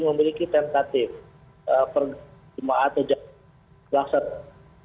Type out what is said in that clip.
memiliki tentatif perjemaah atau jangkauan